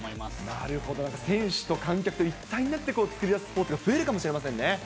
なるほど、選手と観客と一体になって作り出すスポーツが増えるかもしれませんね。